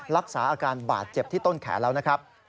รักษาอาการบาดเจ็บที่ต้นแขนแล้วนะครับ